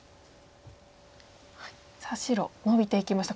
さあ白ノビていきました。